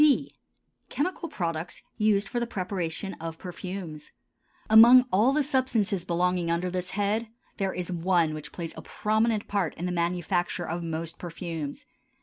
B. Chemical Products used for the Preparation of Perfumes. Among all the substances belonging under this head, there is one which plays a prominent part in the manufacture of most perfumes.